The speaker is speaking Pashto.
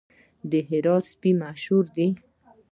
د هرات سپي مشهور دي